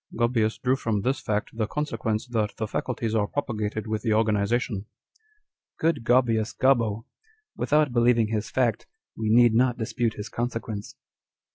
Gaubius drew from this fact the consequence, that the faculties are propagated with the organization." â€" Good Gaubius Gobbo! Without believ ing his fact, we need not dispute his consequence.